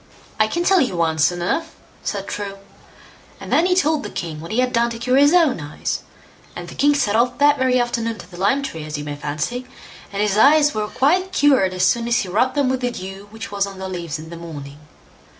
"I can tell you one soon enough", said True; and then he told the king what he had done to cure his own eyes, and the king set off that very afternoon to the lime tree, as you may fancy, and his eyes were quite cured as soon as he rubbed them with the dew which was on the leaves in the morning.